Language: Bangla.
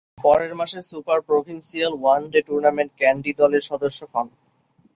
পরের মাসে সুপার প্রভিন্সিয়াল ওয়ান ডে টুর্নামেন্টে ক্যান্ডি দলের সদস্য হন।